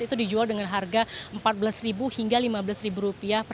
itu dijual dengan harga rp empat belas hingga rp lima belas